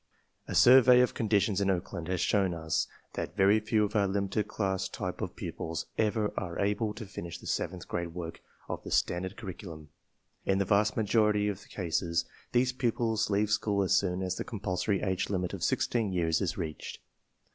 f''A survey of conditions in Oakland has shown us that very few jaf ourJimited class type of pupils ever a re able to finish the seventh grade work of the "standard cur riculum; — in the vast majority of cases thes e pupils leave school as soon as the compulsory age l imit pr "sixteen years is reached.